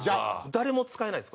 誰も使えないです